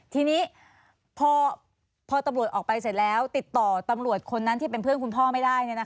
ทีนี้พอตำรวจออกไปเสร็จแล้วติดต่อตำรวจคนนั้นที่เป็นเพื่อนคุณพ่อไม่ได้